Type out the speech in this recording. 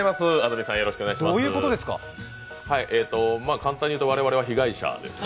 簡単に言うと、我々は被害者ですね。